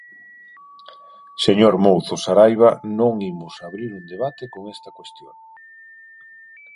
Señor Mouzo Saraiba, non imos abrir un debate con esta cuestión.